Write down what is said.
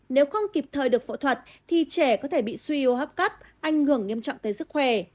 nếu không kịp thời được phẫu thuật thì trẻ có thể bị suy hô hấp cấp ảnh hưởng nghiêm trọng tới sức khỏe